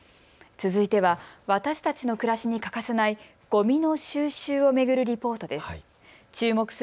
続いては私たちの暮らしに欠かせないゴミの収集を巡るリポートです。